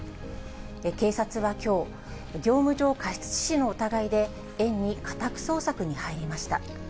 警察はきょう、業務上過失致死の疑いで、園に家宅捜索に入りました。